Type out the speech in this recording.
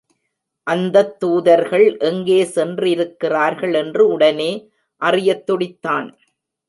அந்தத் தூதர்கள் எங்கே சென்றிருக்கிறார்கள் என்று உடனே அறியத் துடித்தான்.